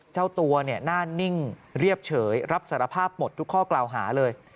เจ้าตัวหน้านิ่งเรียบเฉยรับสารภาพหมดทุกข้อกล่าวหาเลย